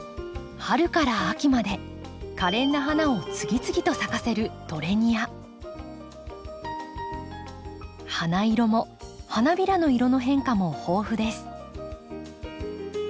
春から秋までかれんな花を次々と咲かせる花色も花びらの色の変化も豊富です。